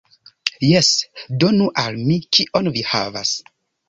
Jes, donu al mi. Kion vi havas?